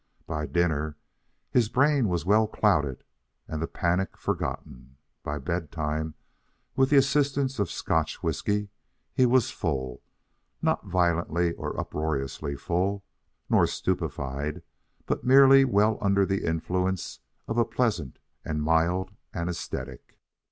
By dinner, his brain was well clouded and the panic forgotten. By bedtime, with the assistance of Scotch whiskey, he was full not violently nor uproariously full, nor stupefied, but merely well under the influence of a pleasant and mild anesthetic.